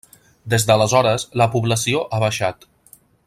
Des d'aleshores, la població ha baixat.